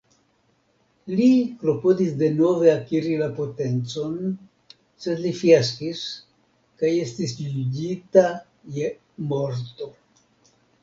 Li klopodis denove akiri la potencon, sed li fiaskis kaj estis juĝita je morto.